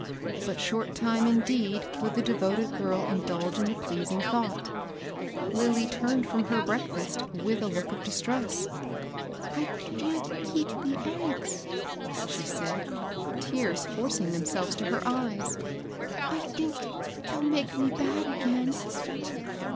But short time indeed could the devoted girl indulge in the pleasing thought : Lilly turned from her break &st with a look of distress. ^* I can't eat the eggs," she said, tears forcing themselves to her eyes. ^^I think they'll make me bad again."